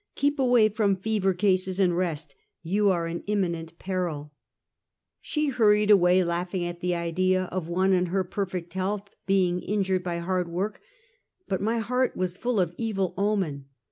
Keep away from fever cases and rest; you are in imminent periL" Visiters. 319 She hurried away, langliing at the idea of one in her perfect health being injured by hard work; but my heart was full of evil omen.